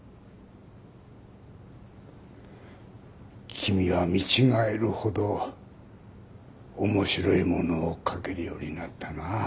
君は見違えるほど面白いものを書けるようになったな。